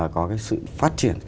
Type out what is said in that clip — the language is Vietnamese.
có cái sự phát triển